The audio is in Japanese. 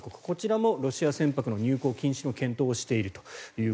こちらもロシア船舶の入港禁止の検討をしていると。